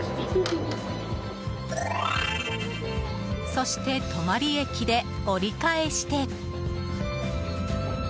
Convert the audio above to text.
そして泊駅で折り返して。